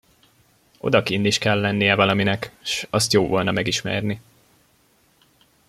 Odakinn is kell lennie valaminek, s azt jó volna megismerni!